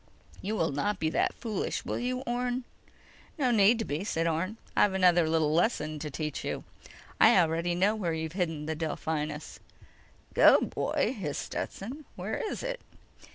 "You will not be that foolish, will you, Orne?" "No need to be," said Orne. "I've another little lesson to teach you: I already know where you've hidden the Delphinus." "Go, boy!" hissed Stetson. _"Where is it?"